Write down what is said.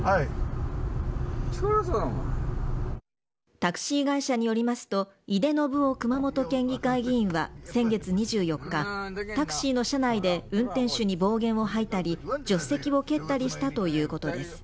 タクシー会社によりますと井手順雄熊本県議会議員は先月２４日タクシーの車内で運転手に暴言を吐いたり助手席を蹴ったりしたということです。